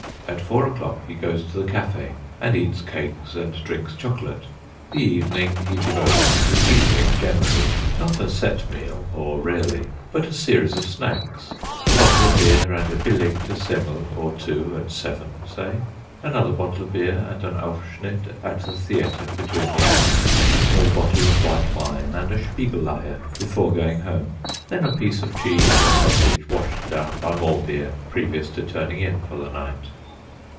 At four o'clock he goes to the cafe, and eats cakes and drinks chocolate. The evening he devotes to eating generally not a set meal, or rarely, but a series of snacks, a bottle of beer and a Belegete semmel or two at seven, say; another bottle of beer and an Aufschnitt at the theatre between the acts; a small bottle of white wine and a Spiegeleier before going home; then a piece of cheese or sausage, washed down by more beer, previous to turning in for the night.